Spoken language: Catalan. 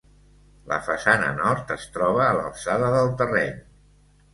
La façana nord es troba a l'alçada del terreny.